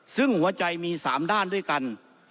ซึ่งหัวใจมี๓ด้านด้วยกัน